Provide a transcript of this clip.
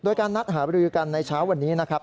ด้วยการนัดหาพัมพัมือวันนี้นะครับ